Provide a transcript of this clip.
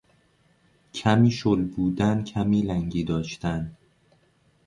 کمی شل بودن، کمی لنگی داشتن